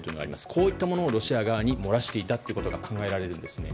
こういったものをロシア側にもらしていたことが考えられるんですね。